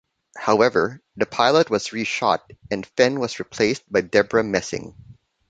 However, the pilot was reshot and Fenn was replaced by Debra Messing.